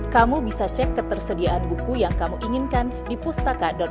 kamu bisa cek ketersediaan buku yang kamu inginkan di pustaka balitbangham go id